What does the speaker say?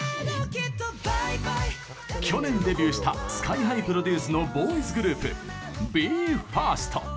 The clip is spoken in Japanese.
去年デビューしたＳＫＹ‐ＨＩプロデュースのボーイズグループＢＥ：ＦＩＲＳＴ。